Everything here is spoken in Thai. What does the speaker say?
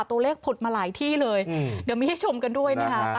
ผุดมาหลายที่เลยเดี๋ยวมีให้ชมกันด้วยนะคะ